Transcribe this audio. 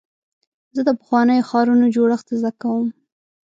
زه د پخوانیو ښارونو جوړښت زده کوم.